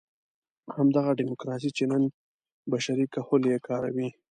همدغه ډیموکراسي چې نن بشري کهول یې کاروي.